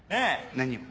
何を？